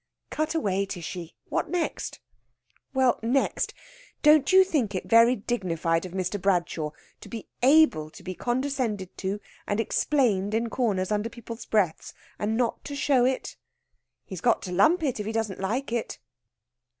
"Cut away, Tishy! What next?" "Well next, don't you think it very dignified of Mr. Bradshaw to be able to be condescended to and explained in corners under people's breaths and not to show it?" "He's got to lump it, if he doesn't like it."